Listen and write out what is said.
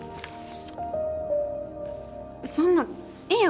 そんないいよ。